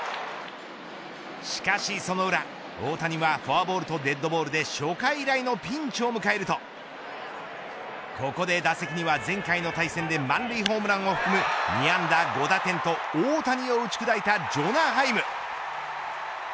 しかしその裏、大谷はフォアボールとデッドボールで初回以来のピンチを迎えるとここで打席には前回の対戦で満塁ホームランを含む２安打５打点と大谷を打ち砕いたジョナ・ハイム。